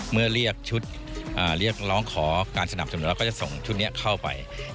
เรียกชุดเรียกร้องขอการสนับสนุนเราก็จะส่งชุดนี้เข้าไป